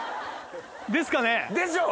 ですかね？でしょう！